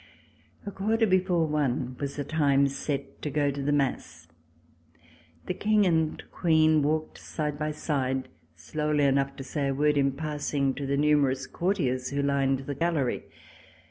A quarter before one was the time set to go to the mass. The King and Queen walked side by side, slowly enough to say a word in passing to the numer ous courtiers who lined the Gallery.